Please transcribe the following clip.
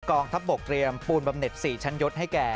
กองทัพบกเตรียมปูนบำเน็ต๔ชั้นยศให้แก่